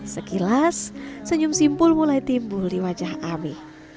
sekilas senyum simpul mulai timbul di wajah ami